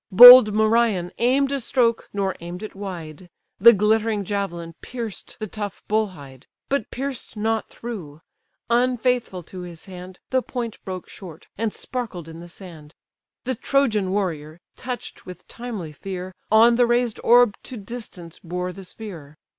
Bold Merion aim'd a stroke (nor aim'd it wide); The glittering javelin pierced the tough bull hide; But pierced not through: unfaithful to his hand, The point broke short, and sparkled in the sand. The Trojan warrior, touch'd with timely fear, On the raised orb to distance bore the spear.